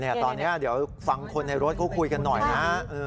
ตอนนี้เดี๋ยวฟังคนในรถเขาคุยกันหน่อยนะ